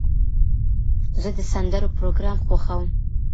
زه د سندرو پروګرام خوښوم.